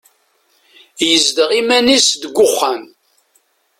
Yezdeɣ iman-is deg uxxam.